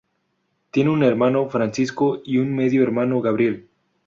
Tiene un hermano, Francisco y un medio hermano, Gabriel.